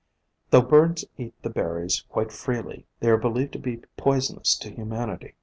Though birds eat the berries quite freely, they are believed to be poisonous to humanity.